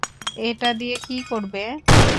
এটা দিয়ে কি করবে?